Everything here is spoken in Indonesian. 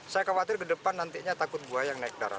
saya khawatir ke depan nantinya takut buah yang naik ke darat